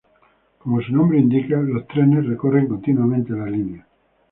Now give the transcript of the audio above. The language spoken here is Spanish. Como su nombre indica, los trenes recorren continuamente la línea.